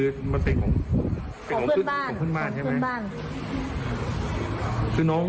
ของเพื่อนบ้าง